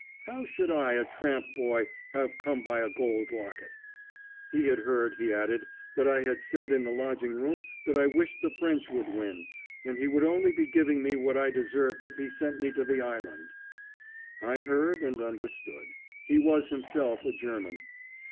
How should I, a tramp boy, have come by a gold locket? He had heard, he added, that I had said in the lodging room that I wished the French would win, and he would only be giving me what I deserved if he sent me to the Island. I heard and understood. He was himself a German.